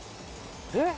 えっ？